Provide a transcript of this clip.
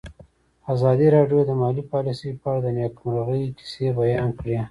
ازادي راډیو د مالي پالیسي په اړه د نېکمرغۍ کیسې بیان کړې.